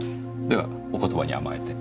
ではお言葉に甘えて。